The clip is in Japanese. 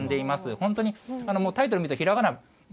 本当にタイトル見るとひらがなば